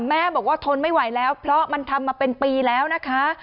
แม่บอกว่าทนไม่ไหวแล้วเพราะมันทำมาเป็นปีแล้วนะคะ